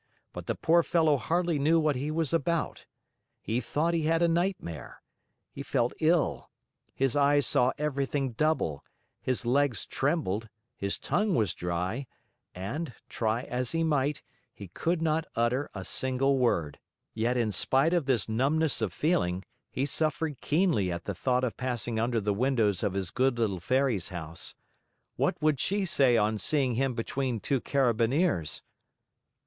But the poor fellow hardly knew what he was about. He thought he had a nightmare. He felt ill. His eyes saw everything double, his legs trembled, his tongue was dry, and, try as he might, he could not utter a single word. Yet, in spite of this numbness of feeling, he suffered keenly at the thought of passing under the windows of his good little Fairy's house. What would she say on seeing him between two Carabineers?